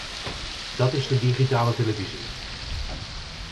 Dat is de digitale televisie.